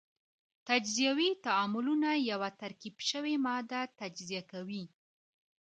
تجزیوي تعاملونه یوه ترکیب شوې ماده تجزیه کوي.